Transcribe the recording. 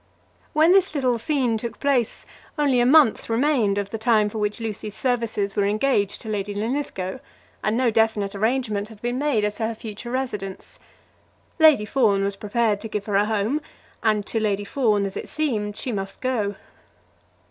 When this little scene took place, only a month remained of the time for which Lucy's services were engaged to Lady Linlithgow, and no definite arrangement had been made as to her future residence. Lady Fawn was prepared to give her a home, and to Lady Fawn, as it seemed, she must go.